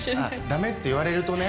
だめって言われるとね。